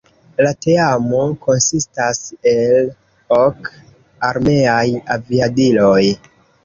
La teamo konsistas el ok armeaj aviadiloj.